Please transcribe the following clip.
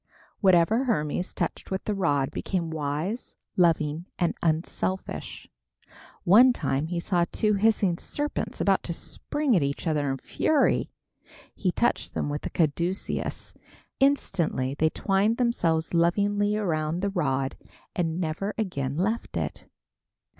Whatever Hermes touched with the rod became wise, loving and unselfish. One time he saw two hissing serpents about to spring at each other in fury. He touched them with the caduceus. Instantly they twined themselves lovingly around the rod and never again left it.